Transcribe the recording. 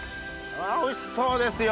おいしそうですよ！